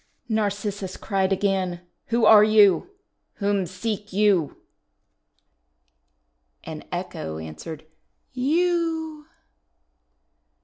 '1 Narcissus cried again: "Who are you? Whom seek you?" And Echo answered, "You!'